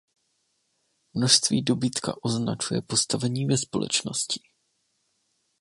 Množství dobytka označuje postavení ve společnosti.